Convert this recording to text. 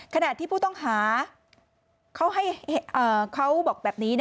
ขณะที่ผู้ต้องหาเขาบอกแบบนี้